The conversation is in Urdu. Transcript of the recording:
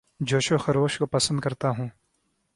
جوش و خروش کو پسند کرتا ہوں